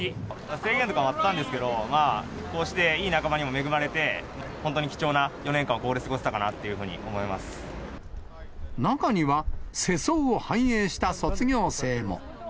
制限とかもあったんですけど、こうしていい仲間にも恵まれて、本当に貴重な４年間をここで過ご中には世相を反映した卒業生も。